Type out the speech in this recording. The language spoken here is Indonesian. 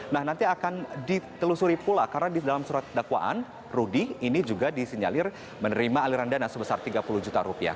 nah nanti akan ditelusuri pula karena di dalam surat dakwaan rudy ini juga disinyalir menerima aliran dana sebesar tiga puluh juta rupiah